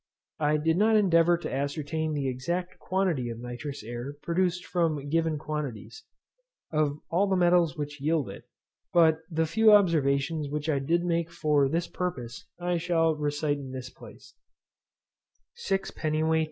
I did not endeavour to ascertain the exact quantity of nitrous air produced from given quantities, of all the metals which yield it; but the few observations which I did make for this purpose I shall recite in this place: dwt.